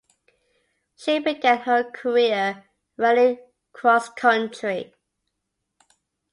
She began her career running cross country.